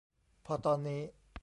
พอตอนนี้